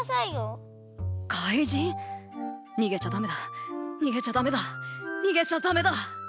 にげちゃダメだにげちゃダメだにげちゃダメだ。